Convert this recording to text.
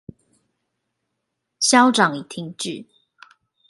消長已停止